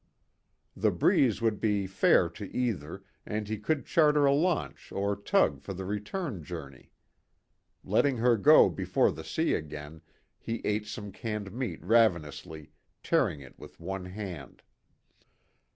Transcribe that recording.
The breeze would be fair to either, and he could charter a launch or tug for the return journey. Letting her go before the sea again, he ate some canned meat ravenously, tearing it with one hand.